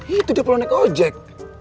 itu dia perlu naik ojek